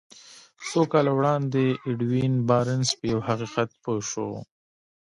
څو کاله وړاندې ايډوين بارنس په يوه حقيقت پوه شو.